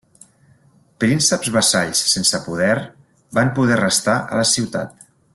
Prínceps vassalls sense poder van poder restar a la ciutat.